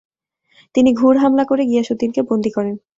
তিনি ঘুর হামলা করে গিয়াসউদ্দিনকে বন্দী করেন।